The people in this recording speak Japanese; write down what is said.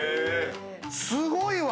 すごいわ。